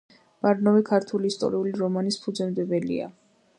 ბარნოვი ქართული ისტორიული რომანის ფუძემდებელია.